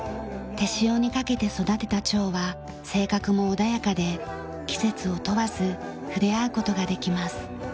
手塩にかけて育てたチョウは性格も穏やかで季節を問わず触れ合う事ができます。